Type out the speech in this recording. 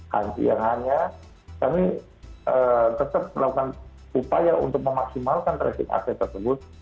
hanya kami tetap melakukan upaya untuk memaksimalkan tracing aset tersebut